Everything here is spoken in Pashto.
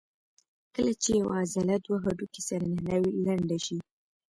کله چې یوه عضله دوه هډوکي سره نښلوي لنډه شي.